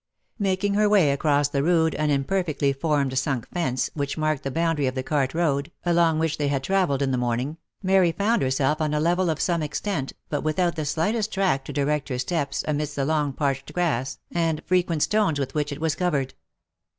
Making her way across the rude and imperfectly formed sunk fence, which marked the boundary of the cart road, along which they had travelled in the morning, Mary found herself on a level of some extent, but without the slightest track to direct her steps amidst the long parched grass, and frequent stones with which it was covered.